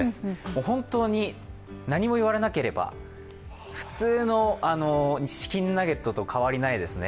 本当に何も言われなければ、普通のチキンナゲットと変わりないですね。